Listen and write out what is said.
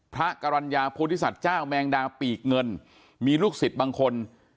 พระกรรณญาพุทธิสัตว์เจ้าแมงดาปีกเงินมีลูกศิษย์บางคน